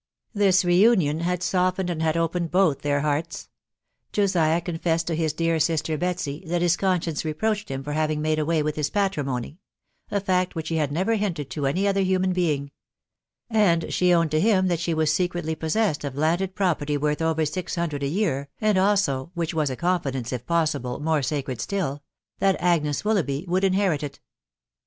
This reunion had softened and had opened both their hearts : Josiah confessed to his dear sister Betsy, that his conscience reproached him for having made away with his patrimony — a fact which he had never hinted to any other human being ; and she owned to him that she was secretly possessed of landed property worth above six hundred a year, and also— which was a confidence, if possible, more sacred still — that Agnes Willoughby would inherit it.